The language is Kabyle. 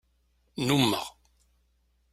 Nnummeɣ.